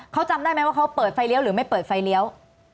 เขาจำได้ไหมว่าเขาเปิดไฟเลี้ยวหรือไม่เปิดไฟเลี้ยว